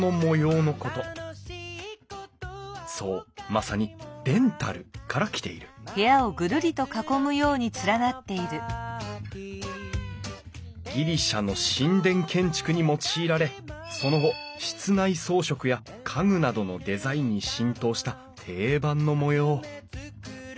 そうまさに「デンタル」から来ているギリシャの神殿建築に用いられその後室内装飾や家具などのデザインに浸透した定番の模様